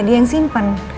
dia yang simpen